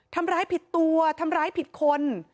ทำร้ายผิดตัวทำร้ายผิดคน